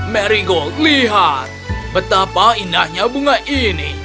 marigold lihat betapa indahnya bunga ini